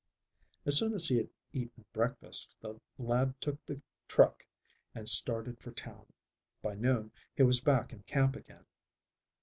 As soon as he had eaten breakfast, the lad took the truck and started for town. By noon he was back in camp again.